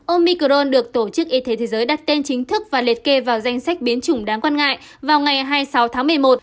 omicron được tổ chức y tế thế giới đặt tên chính thức và liệt kê vào danh sách biến chủng đáng quan ngại vào ngày hai mươi sáu tháng một mươi một